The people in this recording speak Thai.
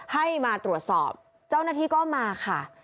ให้มาตรวจสอบเจ้าหน้าที่ก็มาค่ะ